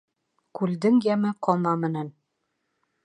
Күлдең йәме ҡама менән.